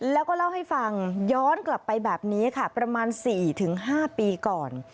แล้วก็เล่าให้ฟังย้อนกลับไปแบบนี้ค่ะประมาณ๔๕ปีก่อน